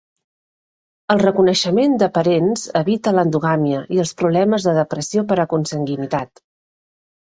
El reconeixement de parents evita l'endogàmia i els problemes de depressió per consanguinitat.